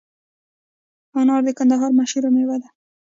انار د کندهار مشهوره میوه ده